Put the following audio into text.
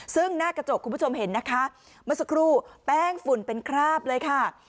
ซึ่งหน้ากระจกคุณผู้ชมเห็นนะคะเมื่อสักครู่แป้งฝุ่นเป็นคราบเลยค่ะ